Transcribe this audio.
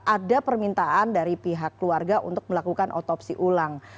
ada permintaan dari pihak keluarga untuk melakukan otopsi ulang